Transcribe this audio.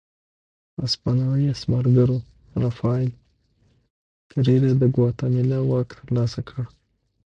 هسپانوي استعمارګرو رافایل کېریرا د ګواتیمالا واک ترلاسه کړ.